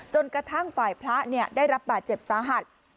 จนกระทั่งฝ่ายพระได้รับบาดเจ็บสาหัส